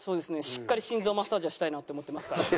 しっかり心臓マッサージはしたいなって思ってますから。